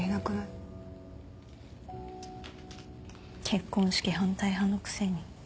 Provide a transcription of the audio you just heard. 結婚式反対派のくせに。